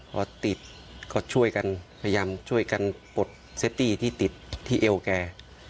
พอติดก็ช่วยกันพยายามช่วยกันปลดเซฟตี้ที่ติดที่เอวแก